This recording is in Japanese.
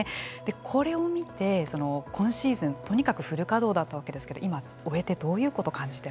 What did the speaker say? これを見て今シーズンとにかくフル稼働だったわけですけど今終えてどういうことを感じてらっしゃいますか。